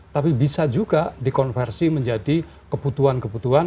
tapi bisa juga dikonversi menjadi kebutuhan kebutuhan